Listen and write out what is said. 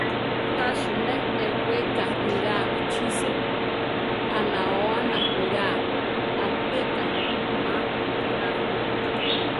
Tási me eʼweká niráa ichisí; aʼnaóana niráa, aʼpeká má kaʼlá ju.